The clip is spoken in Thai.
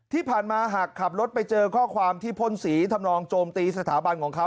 ที่ผ่านมาหากขับรถไปเจอข้อความที่พ่นสีทำนองโจมตีสถาบันของเขา